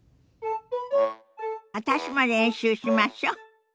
私も練習しましょ。